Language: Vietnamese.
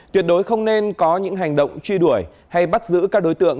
tuyệt đối không nên có những hành động truy đuổi hay bắt giữ các đối tượng